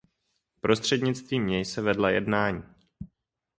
Prostřednictvím něj se vedla jednání.